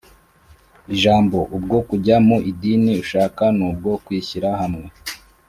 ijambo ubwo kujya mu idini ushaka n ubwo kwishyira hamwe